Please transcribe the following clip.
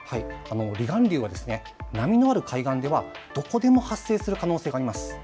離岸流は波のある海岸ではどこでも発生する可能性があります。